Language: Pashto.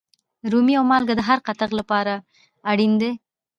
رومي او مالگه د هر کتغ لپاره اړین دي.